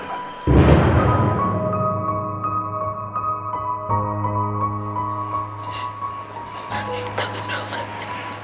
masih tak perlu mas